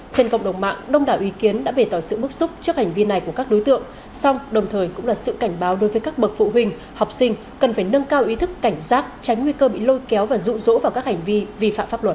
trên cộng đồng mạng đông đảo ý kiến đã bề tỏ sự bức xúc trước hành vi này của các đối tượng song đồng thời cũng là sự cảnh báo đối với các bậc phụ huynh học sinh cần phải nâng cao ý thức cảnh giác tránh nguy cơ bị lôi kéo và rụ rỗ vào các hành vi vi phạm pháp luật